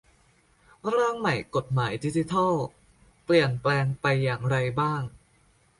ร่างใหม่กฎหมายดิจิทัล เปลี่ยนแปลงไปอย่างไรบ้าง